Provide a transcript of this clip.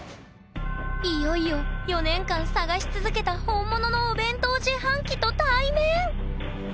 いよいよ４年間探し続けた本物のお弁当自販機と対面！